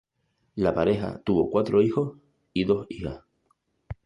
La pareja tuvo cuatro hijos y dos hijas.